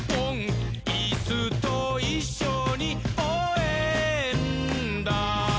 「イスといっしょにおうえんだ！」